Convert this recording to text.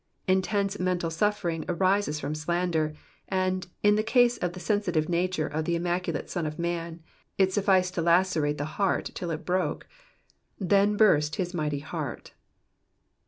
Intense mental suffering arises from slander ; and, in the case of the sensitive nature of the im maculate Son of Man, it sufficed to lacerate the heart till it broke. Then burst his mighty heart.